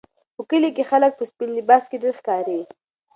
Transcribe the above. په کلي کې خلک په سپین لباس کې ډېر ښکاري.